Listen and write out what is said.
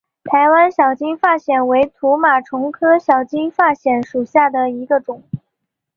台湾小金发藓为土马鬃科小金发藓属下的一个种。